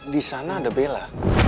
disana ada bela